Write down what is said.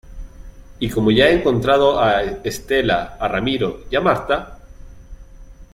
y como ya he encontrado a Estela, a Ramiro y a Marta...